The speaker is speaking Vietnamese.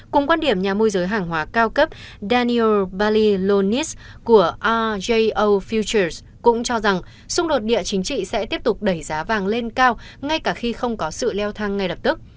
cùng quan điểm nhà môi giới hàng hóa cao cấp daniel balilonis của rjo futures cũng cho rằng xung đột địa chính trị sẽ tiếp tục đẩy giá vàng lên cao ngay cả khi không có sự leo thang ngay lập tức